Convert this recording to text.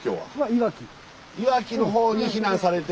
いわきのほうに避難されてて。